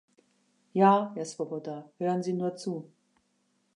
Ja, Herr Swoboda, hören Sie nur zu.